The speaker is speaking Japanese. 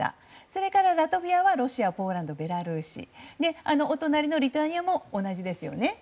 それからラトビアはロシア、ポーランド、ベラルーシお隣のリトアニアも同じですね。